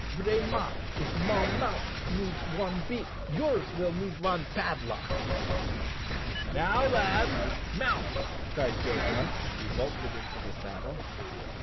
"Vraiment, if mon mout' needs one bit, yours will need one padlock." "Now, lads, mount!" cried Joe Blunt as he vaulted into the saddle.